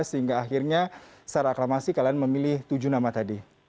sehingga akhirnya secara aklamasi kalian memilih tujuh nama tadi